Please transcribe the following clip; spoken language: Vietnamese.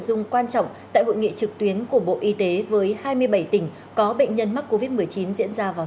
nội dung quan trọng tại hội nghị trực tuyến của bộ y tế với hai mươi bảy tỉnh có bệnh nhân mắc covid một mươi chín diễn ra vào